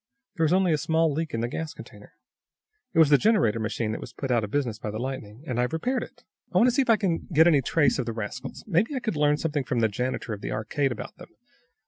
There is only a small leak in the gas container. It was the generator machine that was put out of business by the lightning, and I've repaired it." "I want to see if I can get any trace of the rascals. Maybe I could learn something from the janitor of the Arcade about them.